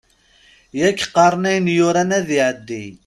Yak qqaren ayen yuran ad iɛeddi.